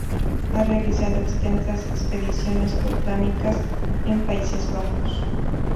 Ha realizado extensas expediciones botánicas en Países Bajos.